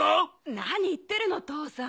何言ってるの父さん！